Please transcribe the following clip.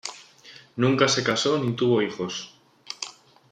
Nunca se casó, ni tuvo hijos.